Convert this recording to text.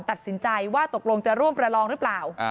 ตัดสินใจว่าตกลงจะร่วมประลองหรือเปล่า